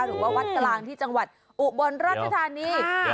ถือว่าวัดกลางที่จังหวัดอุบรรณรัชภาษณีย์